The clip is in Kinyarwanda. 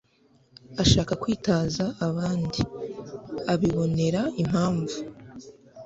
ushaka kwitaza abandi, abibonera impamvu